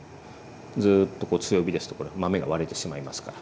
ずっと強火ですとこれ豆が割れてしまいますから。